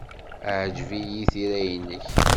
Ɛejbent-iyi tira-nnek.